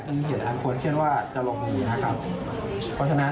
ต่อให้มีเรื่องเลวร้ายมากกว่านี้